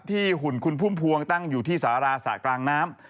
หุ่นคุณพุ่มพวงตั้งอยู่ที่สาราสระกลางน้ำ